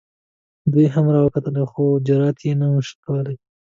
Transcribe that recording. دوی هم را وکتلې خو جرات یې نه شو کولی.